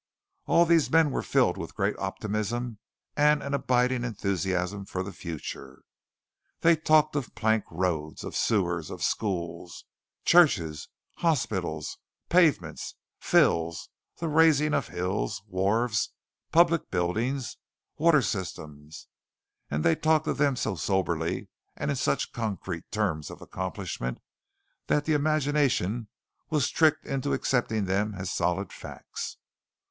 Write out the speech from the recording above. All these men were filled with a great optimism and an abiding enthusiasm for the future. They talked of plank roads, of sewers, of schools, churches, hospitals, pavements, fills, the razing of hills, wharves, public buildings, water systems; and they talked of them so soberly and in such concrete terms of accomplishment that the imagination was tricked into accepting them as solid facts.